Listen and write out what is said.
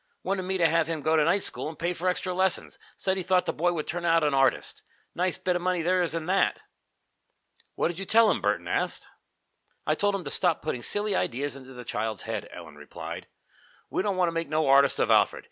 Wanted me to have him go to night school and pay for extra lessons. Said he thought the boy would turn out an artist. Nice bit of money there is in that!" "What did you tell him?" Burton asked. "I told him to stop putting silly ideas into the child's head," Ellen replied. "We don't want to make no artist of Alfred.